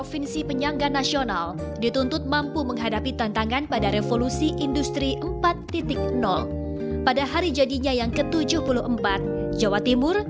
keputusan gubernur jawa timur